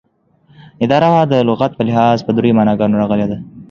اداره دلغت په لحاظ په دریو معناګانو راغلې ده